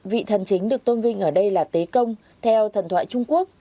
vị thần chính được tôn vinh ở đây là tế công theo thần thoại trung quốc